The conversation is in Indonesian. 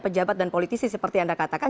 pejabat dan politisi seperti anda katakan